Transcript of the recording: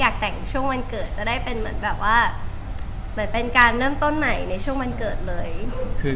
อยากแต่งช่วงวันเกิดจะได้เป็นเหมือนการเริ่มต้นใหม่ในช่วงวันเกิดเลย